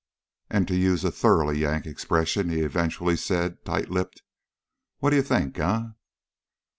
"And to use a thoroughly Yank expression," he eventually said, tight lipped, "what do you think, eh?"